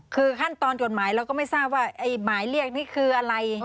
คือขั้นตอนจดหมายเราก็ไม่ทราบว่าหมายเรียกนี่คืออะไร